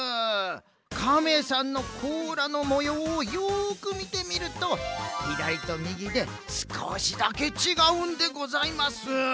かめさんのこうらのもようをよくみてみるとひだりとみぎですこしだけちがうんでございます。